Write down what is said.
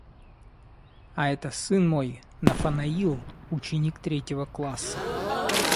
А это сын мой, Нафанаил, ученик третьего класса.